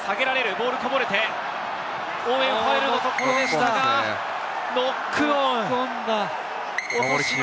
ボールはこぼれて、オーウェン・ファレルのところでしたが、ノックオン。